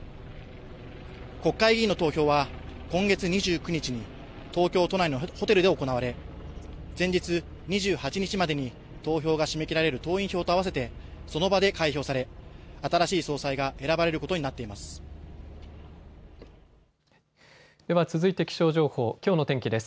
国会議員の投票は今月２９日に東京都内のホテルで行われ、前日２８日までに投票が締め切られる党員票とあわせてその場で開票され、新しい総裁が選ばれることになっています。